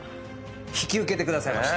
引き受けてくださいました。